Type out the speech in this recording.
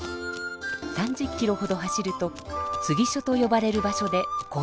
３０キロほど走るとつぎ所とよばれる場所で交代します。